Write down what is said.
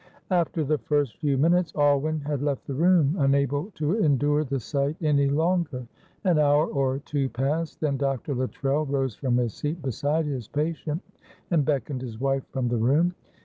After the first few minutes Alwyn had left the room, unable to endure the sight any longer. An hour or two passed, then Dr. Luttrell rose from his seat beside his patient, and beckoned his wife from the room.